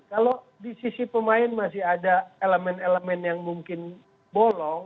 kalau di sisi pemain masih ada elemen elemen yang mungkin bolong